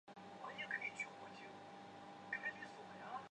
江西省新昌县棠浦镇沐溪村人。